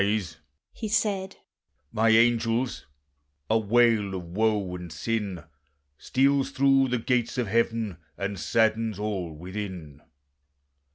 "Arise," He said, "my angels! a wail of woe and sin Steals through the gates of heaven, and saddens all within.